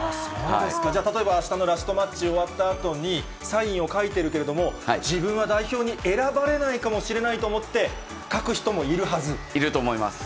じゃあ、例えば、あしたのラストマッチ終わったあとに、サインを書いてるけれども、自分は代表に選ばれないかもしれないと思って、いると思います。